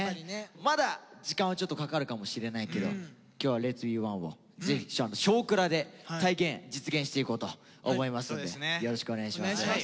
まだ時間はちょっとかかるかもしれないけど今日は「Ｌｅｔ’ｓｂｅｏｎｅ」をぜひ「少クラ」で体現実現していこうと思いますのでよろしくお願いします。